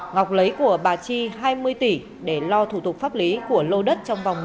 ngọc lấy của bà chi hai mươi tỷ để lo thủ tục pháp lý của lô đất trong vòng